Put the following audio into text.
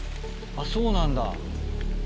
あっそうなんだ。